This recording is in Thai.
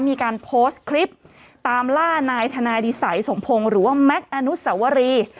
มีการโพสต์คลิปตามล่านายธนาดิสัยสมพงศ์หรือว่าแม็กซ์อนุสวรี